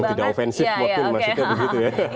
yang tidak ofensif waktu maksudnya begitu ya